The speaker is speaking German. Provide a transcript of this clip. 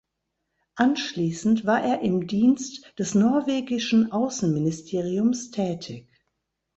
Anschließend war er im Dienst des norwegischen Außenministeriums tätig.